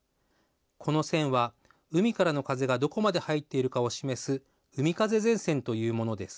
この線は、海からの風がどこまで入っているのかを示す海風前線というものです。